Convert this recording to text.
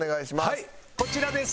はいこちらです。